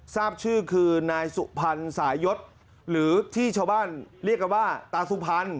ทราบชื่อคือนายสุพรรณสายศหรือที่ชาวบ้านเรียกกันว่าตาสุพรรณ